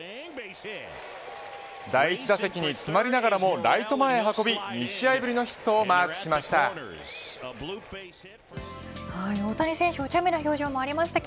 第１打席に、詰まりながらもライト前へ運び２試合ぶりのヒットをマークしました。